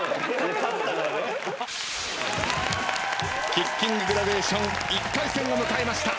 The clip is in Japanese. キッキンググラデーション１回戦を迎えました。